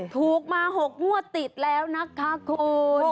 ถูกมา๖งวดติดแล้วนะคะคุณ